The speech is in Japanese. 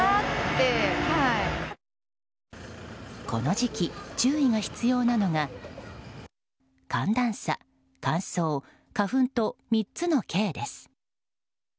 この時期、注意が必要なのが寒暖差、乾燥、花粉と３つのＫです。